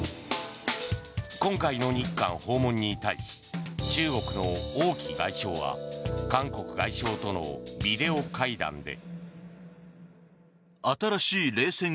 今回の日韓訪問に対し中国の王毅外相は韓国外相とのビデオ会談で。